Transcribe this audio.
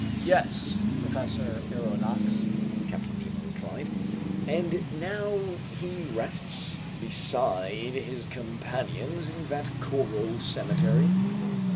"Yes, Professor Aronnax," Captain Nemo replied. "And now he rests beside his companions in that coral cemetery?"